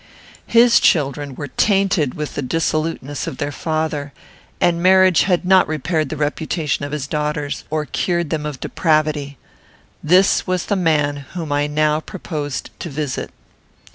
His children were tainted with the dissoluteness of their father, and marriage had not repaired the reputation of his daughters, or cured them of depravity: this was the man whom I now proposed to visit.